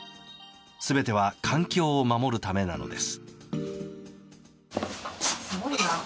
全ては環境を守るためなのです。